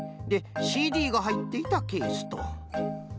でＣＤがはいっていたケースと。